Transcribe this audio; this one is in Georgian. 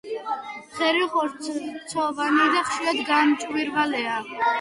ღერო ხორცოვანი და ხშირად გამჭვირვალეა.